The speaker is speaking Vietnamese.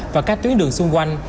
và các tuyến đường xung quanh